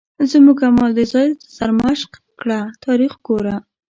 زموږ اعمال د ځان سرمشق کړه تاریخ ګوره.